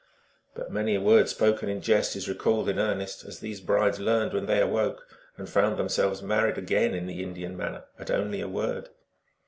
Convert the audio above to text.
But many a word spoken in jest is recalled in ear nest, as these brides learned when they awoke, and found themselves married again in the Indian man ner, at only a word.